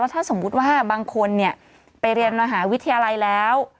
ถ้าสมมุติว่าบางคนไปเรียนมหาวิทยาลัยแล้ว